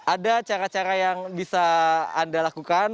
ada cara cara yang bisa anda lakukan